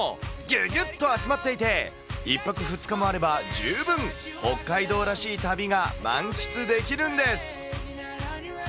ぎゅぎゅっと集まっていて、１泊２日もあれば、十分北海道らしい旅が満喫できるんです。